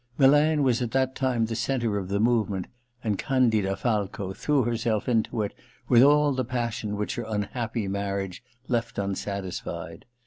Milan was at that time the centre of the movement, and Candida Falco threw herself into it with all the passion which her unhappy marriage left unsatisfied.